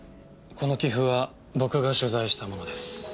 この棋譜は僕が取材したものです。